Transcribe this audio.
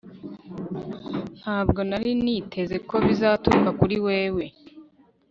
Ntabwo nari niteze ko bizaturuka kuri wewe